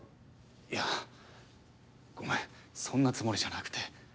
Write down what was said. いやごめんそんなつもりじゃなくて。